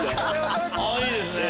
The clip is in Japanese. いいですね。